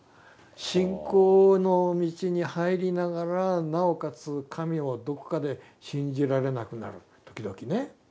信仰の道に入りながらなおかつ神をどこかで信じられなくなる時々ね。